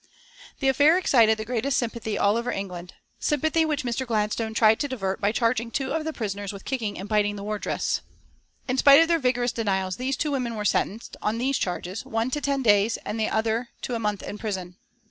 The affair excited the greatest sympathy all over England, sympathy which Mr. Gladstone tried to divert by charging two of the prisoners with kicking and biting the wardresses. In spite of their vigorous denials these two women were sentenced, on these charges, one to ten days and the other to a month in prison.